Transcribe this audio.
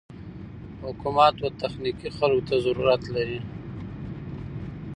حکومت و تخنيکي خلکو ته ضرورت لري.